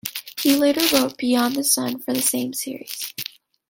He later wrote "Beyond the Sun" for the same series.